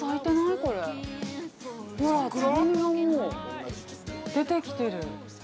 ほら、蕾がもう出てきてる。